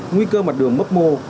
nguy cơ mặt đường mất mô